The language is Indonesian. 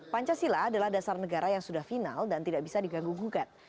pancasila adalah dasar negara yang sudah final dan tidak bisa diganggu gugat